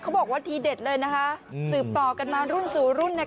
บอกว่าทีเด็ดเลยนะคะสืบต่อกันมารุ่นสู่รุ่นเนี่ย